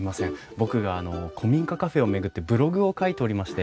僕があの古民家カフェを巡ってブログを書いておりまして。